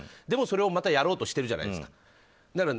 でもそれをまたやろうとしているじゃないですか。